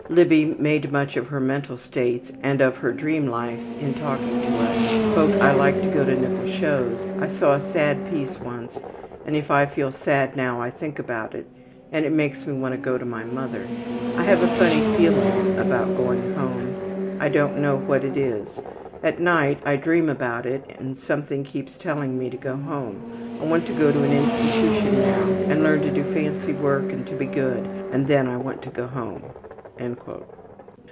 Libby made much of her mental states and of her dream life in talking to us. ``I like to go to nickel shows. I saw a sad piece once and if I feel sad now I think about it and it makes me want to go to my mother. I have a funny feeling about going home. I don't know what it is. At night I dream about it and something keeps telling me to go home. I want to go to an institution now and learn to do fancy work and to be good, and then I want to go home.''